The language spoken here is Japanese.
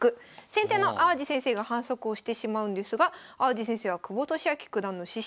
先手の淡路先生が反則をしてしまうんですが淡路先生は久保利明九段の師匠。